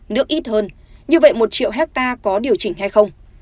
nước ít hơn như vậy một triệu hectare có điều chỉnh hay không